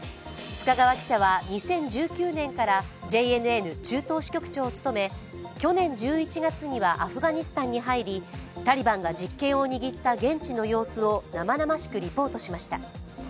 須賀川記者は２０１９年からＪＮＮ中東支局長を務め、去年１１月にはアフガニスタンに入りタリバンが実権を握った現地の様子を生々しくリポートしました。